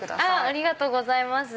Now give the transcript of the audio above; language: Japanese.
ありがとうございます。